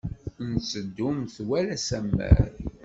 Nteddu metwal asammar.